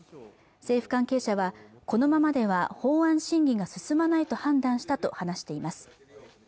政府関係者はこのままでは法案審議が進まないと判断したと話しています